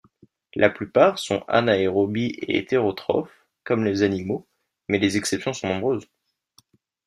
La plupart sont anaérobies et hétérotrophes, comme les animaux, mais les exceptions sont nombreuses.